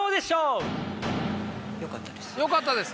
よかったです。